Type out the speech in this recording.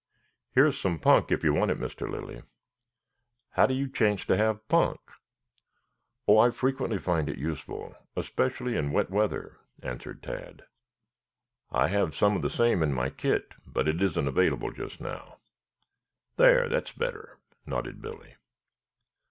Here is some punk, if you want it, Mr. Lilly." "How do you chance to have punk?" "Oh, I frequently find it useful, especially in wet weather," answered Tad. "I have some of the same in my kit, but it isn't available just now. There, that's better," nodded Billy.